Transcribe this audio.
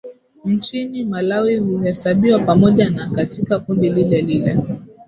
Nchini Malawi huhesabiwa pamoja nao katika kundi lilelile